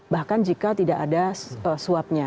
bahkan jika tidak ada suapnya